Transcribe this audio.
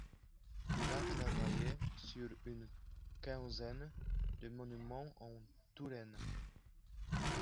Il a travaillé sur une quinzaine de monuments en Touraine.